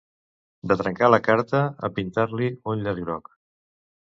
De trencar la carta a pintar-li un llaç groc.